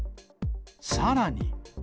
さらに。